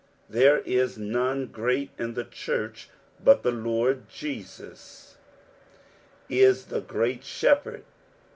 " There is none great in the church but the Lord. Jesus is " the great Shepherd."